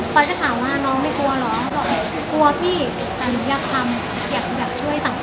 พอยจะถามว่าน้องไม่กลัวเหรอกลัวพี่แต่หนูอยากทำอยากช่วยสังคม